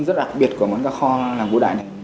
rất là đặc biệt của món cá kho làng vũ đại này